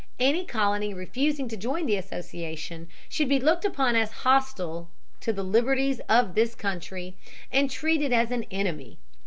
Any colony refusing to join the Association should be looked upon as hostile "to the liberties of this country," and treated as an enemy.